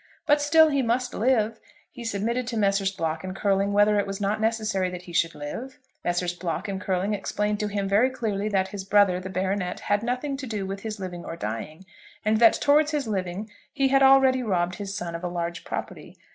But still he must live. He submitted to Messrs. Block and Curling whether it was not necessary that he should live. Messrs. Block and Curling explained to him very clearly that his brother, the baronet, had nothing to do with his living or dying, and that towards his living he had already robbed his son of a large property.